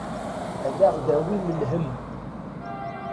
Ad aɣ-d-awin lhemm.